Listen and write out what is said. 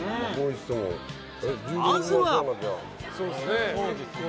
［まずは］